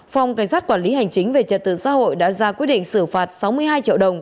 phòng cảnh sát quản lý hành chính về trật tự xã hội đã ra quyết định xử phạt sáu mươi hai triệu đồng